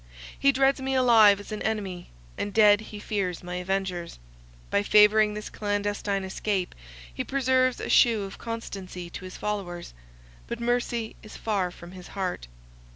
He dreads me alive as an enemy, and dead he fears my avengers. By favouring this clandestine escape he preserves a shew of consistency to his followers; but mercy is far from his heart.